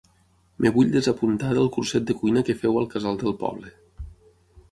Em vull desapuntar del curset de cuina que feu al casal del poble.